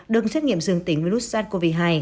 được xét nghiệm dường tính virus sars cov hai